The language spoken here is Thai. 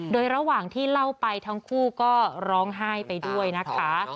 โดยระหว่างที่เล่าไปทั้งคู่ก็ร้องไห้ไปด้วยนะคะ